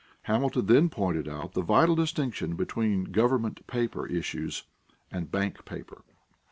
Hamilton then pointed out the vital distinction between government paper issues and bank paper.